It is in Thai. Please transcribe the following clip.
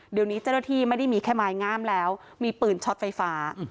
เดี๋ยวนี้เจ้าหน้าที่ไม่ได้มีแค่ไม้งามแล้วมีปืนช็อตไฟฟ้า